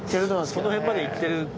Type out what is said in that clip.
その辺まで行ってる。